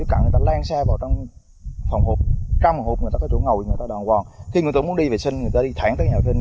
khi người ta muốn đi vệ sinh người ta đi thẳng tới nhà vinh